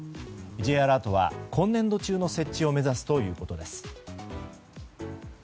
Ｊアラートは今年度中の設置を目指すということです。